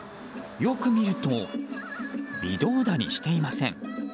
よく見ると微動だにしていません。